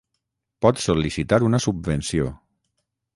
pots sol·licitar una subvenció